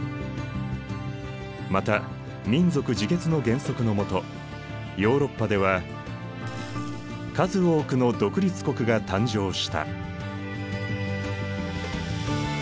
また民族自決の原則のもとヨーロッパでは数多くの独立国が誕生した。